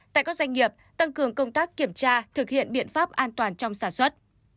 tại các doanh nghiệp tăng cường công tác kiểm tra thực hiện biện pháp an toàn trong sản xuất